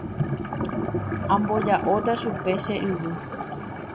Amboja'óta chupe che yvy.